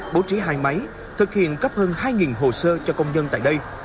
bố trí hai máy thực hiện cấp hơn hai hồ sơ cho công nhân tại đây